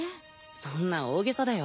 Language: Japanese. そんな大げさだよ。